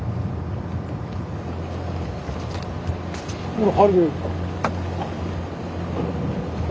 ほら。